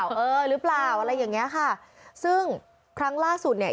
เออหรือเปล่าอะไรอย่างเงี้ยค่ะซึ่งครั้งล่าสุดเนี่ย